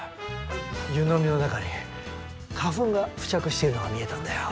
湯飲みの中に花粉が付着しているのが見えたんだよ。